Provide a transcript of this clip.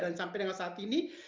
dan sampai dengan saat ini